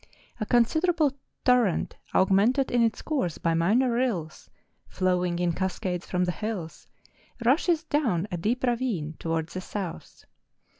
A considerable tor¬ rent augmented in its course by minor rills, flowing in cascades from the hills, rushes down a deep ra¬ vine towards the south.